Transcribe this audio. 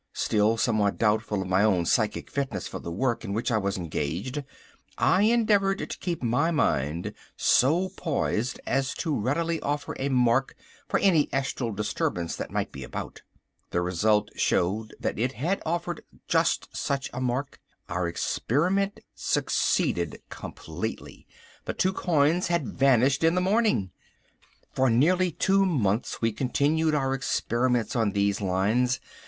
Still somewhat doubtful of my own psychic fitness for the work in which I was engaged, I endeavoured to keep my mind so poised as to readily offer a mark for any astral disturbance that might be about. The result showed that it had offered just such a mark. Our experiment succeeded completely. The two coins had vanished in the morning. For nearly two months we continued our experiments on these lines.